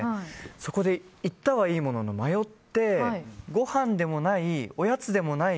そこで行ったはいいものの迷って、ごはんでもないおやつでもない